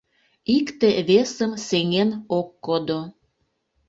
Икте-весым сеҥен ок кодо.